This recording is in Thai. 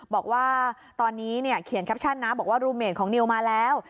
บอกว่าตอนนี้เขียนแคปชั่นนะบอกว่ารูเมดของนิวมาแล้ว